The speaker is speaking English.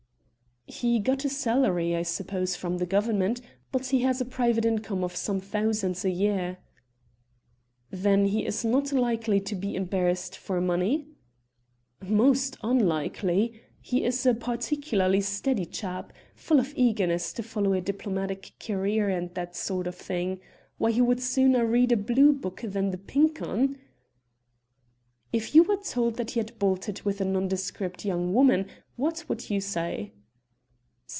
"He got a salary, I suppose, from Government, but he has a private income of some thousands a year." "Then he is not likely to be embarrassed for money?" "Most unlikely. He is a particularly steady chap full of eagerness to follow a diplomatic career and that sort of thing. Why, he would sooner read a blue book than the Pink 'Un!" "If you were told that he had bolted with a nondescript young woman, what would you say?"